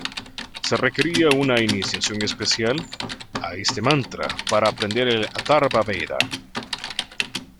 Se requería una iniciación especial a este mantra para aprender el "Atharva-veda".